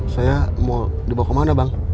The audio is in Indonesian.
saya mau dibawa ke mana bang